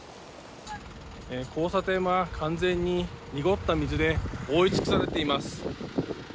交差点は完全に濁った水で覆い尽くされています。